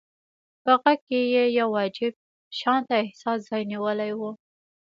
په غږ کې يې يو عجيب شانته احساس ځای نيولی و.